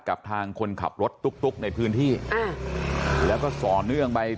กับทางคนขับรถตุ๊กในพื้นที่อ่าแล้วก็ต่อเนื่องไป